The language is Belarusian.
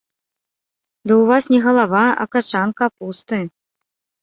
Ды ў вас не галава, а качан капусты.